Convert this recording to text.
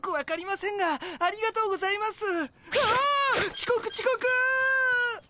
ちこくちこく！